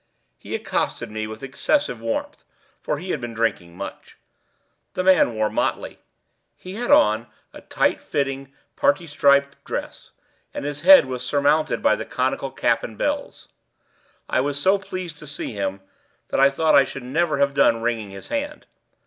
He accosted me with excessive warmth, for he had been drinking much. The man wore motley. He had on a tight fitting parti striped dress, and his head was surmounted by the conical cap and bells. I was so pleased to see him, that I thought I should never have done wringing his hand.